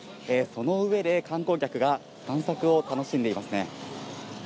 その上で観光客が散策を楽しんでいますね。